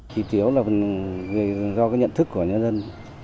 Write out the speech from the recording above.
thì thiếu là do cái nhận thức của nhân dân